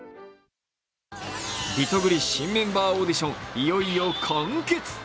リトグリの新メンバーオーディション、いよいよ完結。